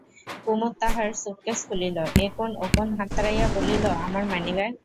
কুমুদ তাহার সুটকেস খুলিল, একোণ ওকোণ হাতড়াইয়া বলিল, আমার মানিব্যাগ?